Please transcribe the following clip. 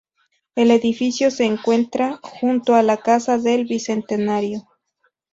El edificio se encuentra junto a la Casa del Bicentenario.